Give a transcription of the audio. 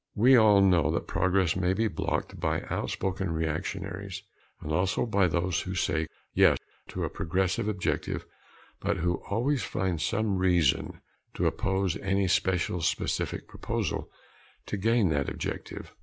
We all know that progress may be blocked by outspoken reactionaries, and also by those who say "yes" to a progressive objective, but who always find some reason to oppose any special specific proposal to gain that objective.